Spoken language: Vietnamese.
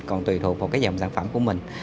còn tùy thuộc vào cái dòng sản phẩm của mình